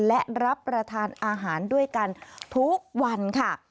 และรับประทานอาหารด้วยกันทุกวันค่ะ